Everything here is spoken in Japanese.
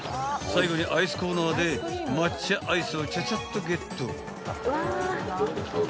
［最後にアイスコーナーで抹茶アイスをちゃちゃっとゲット］